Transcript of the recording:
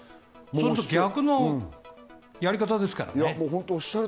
逆のやり方ですからね。